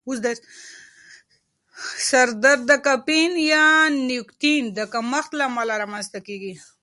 سر درد د کافین یا نیکوتین د کمښت له امله رامنځته کېږي.